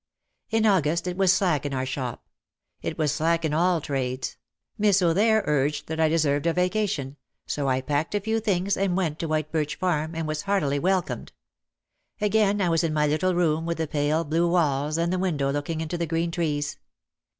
In August it was slack in our shop. It was slack in all trades. Miss O'There urged that I deserved a vacation, so I packed a few things and went to White Birch Farm, and was heartily welcomed. Again I was in my little room with the pale, blue walls and the window looking into the green trees.